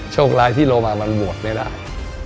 โชคร้ายที่โลมามันบวชไม่ได้